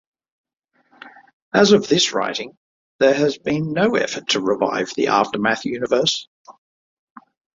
As of this writing, there has been no effort to revive the Aftermath Universe.